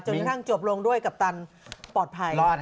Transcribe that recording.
กระทั่งจบลงด้วยกัปตันปลอดภัย